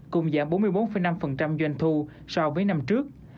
cùng giảm bốn mươi bốn năm doanh thu so với năm trước